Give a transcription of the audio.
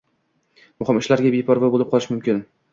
muhim ishlarga beparvo bo‘lib qolishi mumkin.